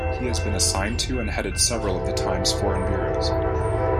He has been assigned to and headed several of the "Times" foreign bureaus.